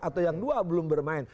atau yang dua belum bermain